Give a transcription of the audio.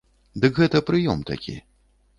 Дык гэта прыём такі.